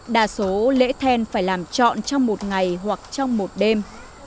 đa số lễ then phải làm trọn trong một ngày hoặc trong một đêm